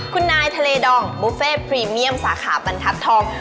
คุณนายทะเลดองบุฟเฟ่พรีเมียมสาขาบรรทัศน์ทอง